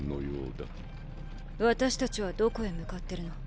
私たちはどこへ向かってるの？